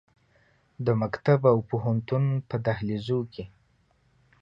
د مکتب او پوهنتون په دهلیزو کې